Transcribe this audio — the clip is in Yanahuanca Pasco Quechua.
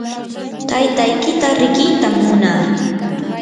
taytaykita riqitam munaa.